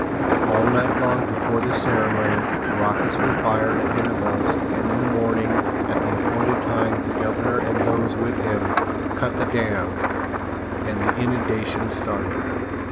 All night long before this ceremony rockets were fired at intervals and in the morning at the appointed time the governor and those with him "cut the dam" and the inundation started.